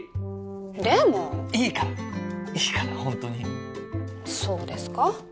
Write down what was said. でもいいからいいからホントにそうですか？